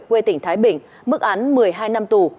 quê tỉnh thái bình mức án một mươi hai năm tù